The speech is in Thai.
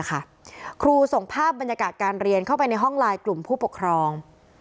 ครูส่งภาพบรรยากาศการเรียนเข้าไปในห้องไลน์กลุ่มผู้ปกครอง